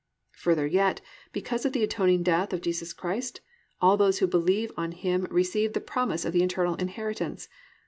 "+ 7. Further yet, _because of the atoning death of Jesus Christ, all those who believe on Him receive the promise of the eternal inheritance_.